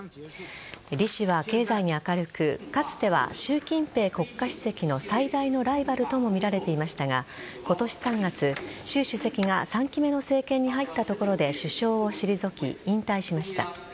李氏は経済に明るくかつては習近平国家主席の最大のライバルともみられていましたが今年３月、習主席が３期目の政権に入ったところで首相を退き引退しました。